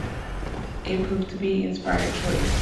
It proved to be an inspired choice.